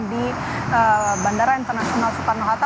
di bandara internasional soekarno hatta